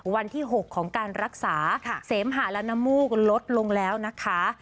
วันที่๖ของการรักษาเสมหะและน้ำมูกลดลงแล้วนะคะ